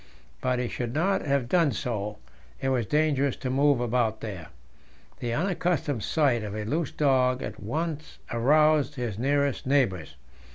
But he should not have done so; it was dangerous to move about here. The unaccustomed sight of a loose dog at once aroused his nearest neighbours.